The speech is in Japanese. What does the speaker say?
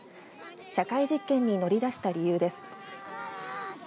社会実験に乗りだした理由です。